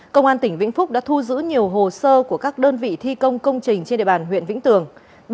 công an tỉnh vĩnh phúc đã thu giữ nhiều hồ sơ của các đơn vị thi công công trình trên địa bàn huyện vĩnh tường